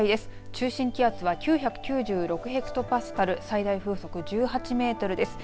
中心気圧は９９６ヘクトパスカルで最大風速は１８メートルです。